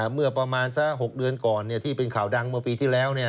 เมื่อประมาณสัก๖เดือนก่อนที่เป็นข่าวดังเมื่อปีที่แล้ว